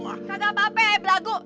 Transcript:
kagak apa apa belagu